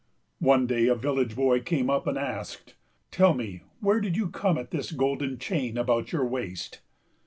One day a village boy came up and asked, "Tell me, where did you come at this golden chain about your waist?"